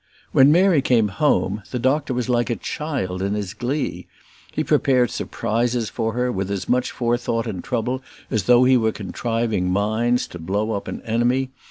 When Mary came home the doctor was like a child in his glee. He prepared surprises for her with as much forethought and trouble as though he were contriving mines to blow up an enemy.